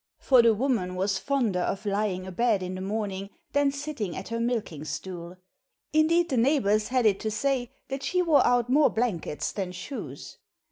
For the woman was fonder of lying a bed in the morning than sitting at her milking stool; indeed the neighbours had it to say that she wore out more blankets than shoes.